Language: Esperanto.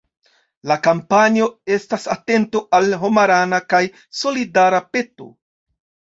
La kampanjo estas atento al homarana kaj solidara peto.